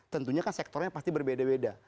tentunya kan sektornya pasti berbeda beda